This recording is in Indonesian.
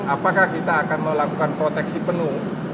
apakah kita akan melakukan proteksi penuh